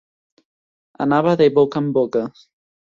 Anava de boca en boca.